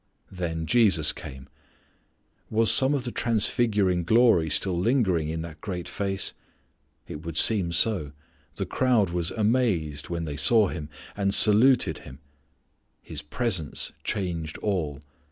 Then Jesus came. Was some of the transfiguring glory still lingering in that great face? It would seem so. The crowd was "amazed" when they saw Him, and "saluted" Him. His presence changed all.